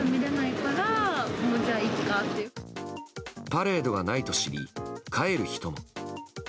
パレードがないと知り帰る人も。